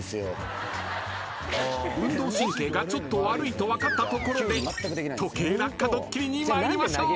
［運動神経がちょっと悪いと分かったところで時計落下ドッキリに参りましょう］